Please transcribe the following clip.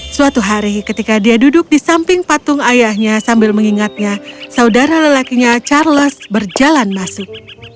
suatu hari ketika dia duduk di samping patung ayahnya sambil mengingatnya saudara lelakinya charles berjalan masuk